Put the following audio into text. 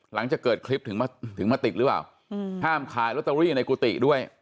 หลังจากเกิดคลิปถึงมาติดหรือเปล่าห้ามขายลอตเตอรี่ในกุฏิด้วย